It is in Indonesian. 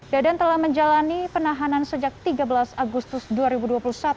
dandan telah menjalani penahanan sejak tiga belas agustus dua ribu dua puluh satu di rutan kpk cabang c satu